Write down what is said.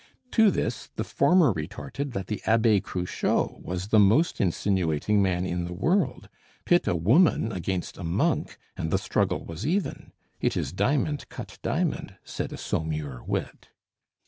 To this the former retorted that the Abbe Cruchot was the most insinuating man in the world: pit a woman against a monk, and the struggle was even. "It is diamond cut diamond," said a Saumur wit.